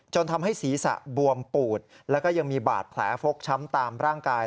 ทำให้ศีรษะบวมปูดแล้วก็ยังมีบาดแผลฟกช้ำตามร่างกาย